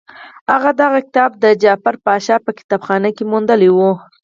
هغه دا کتاب د جعفر پاشا په کتابخانه کې موندلی وو.